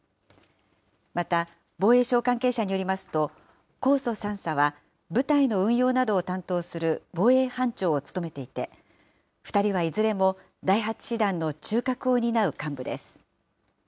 また防衛省関係者によりますと、神尊３佐は部隊の運用などを担当する防衛班長を務めていて、２人はいずれも第８師団の中核を担う幹部です。